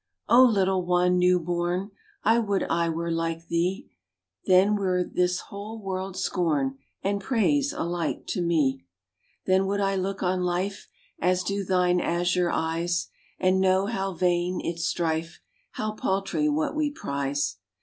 O little one, new born, I would I were like thee; Then were this whole world's scorn And praise alike to me. Then would I look on life As do thine azure eyes, And know how vain its strife, How paltry what we prize.